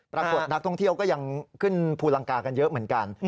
ปรากฏนักท่องเที่ยวก็ยังขึ้นภูลังกากันเยอะเหมือนกัน